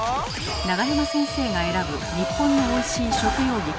永山先生が選ぶ日本のおいしい食用菊３選。